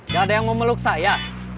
gak ada yang mau meluk saya